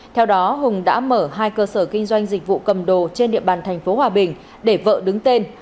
theo đó hùng đã mở hai cơ sở kinh doanh dịch vụ cầm đồ trên địa bàn tp hòa bình để vợ đứng tên